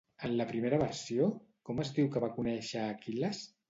En la primera versió, com es diu que va conèixer a Aquil·les?